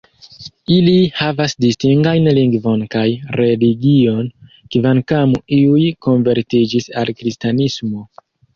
Ili havas distingajn lingvon kaj religion, kvankam iuj konvertiĝis al Kristanismo.